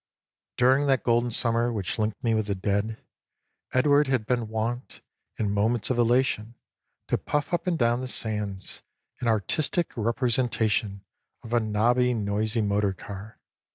During that golden summer which linked me with the dead, Edward had been wont, in moments of elation, to puff up and down the sands, in artistic representation of a nobby, noisy motor car.